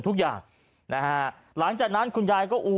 ทุกอย่างนะฮะหลังจากนั้นคุณยายก็อู๋